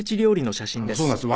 そうなんです。